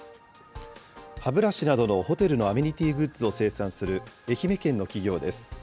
歯ブラシなどのホテルのアメニティーグッズを生産する愛媛県の企業です。